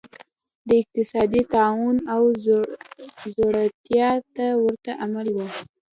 دا اقتصادي ناورین او ځوړتیا ته ورته عمل و.